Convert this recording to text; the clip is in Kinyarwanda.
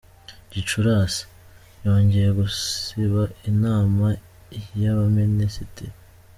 Gicurasi: Yongeye gusiba inama y’ abaminisitiri.